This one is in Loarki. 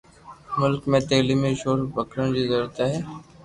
ملڪ ۾ تعليمي شعور پکيڙڻ جي ضرورت آهي.